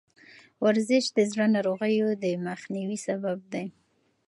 ورزش د زړه ناروغیو د مخنیوي سبب دی.